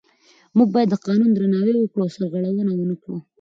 موږ باید د قانون درناوی وکړو او سرغړونه ونه کړو